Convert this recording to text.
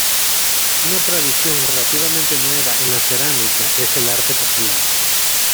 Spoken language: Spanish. Una tradición relativamente nueva en la cerámica es el arte popular.